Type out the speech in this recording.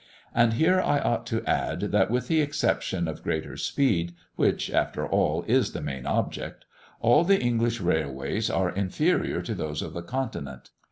And here I ought to add, that with the exception of greater speed, which, after all, is the main object, all the English railways are inferior to those of the Continent.